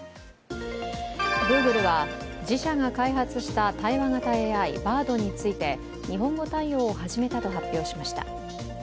Ｇｏｏｇｌｅは自社が開発した対話型ＡＩ、Ｂａｒｄについて日本語対応を始めたと発表しました。